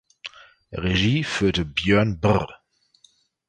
Regie führte Björn Br.